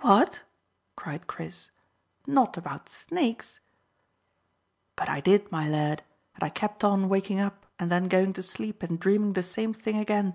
"What!" cried Chris. "Not about snakes?" "But I did, my lad; and I kept on waking up and then going to sleep and dreaming the same thing again.